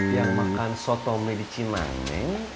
yang makan soto mie di cimandeng